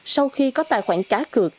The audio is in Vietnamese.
sau khi có tài khoản cá cược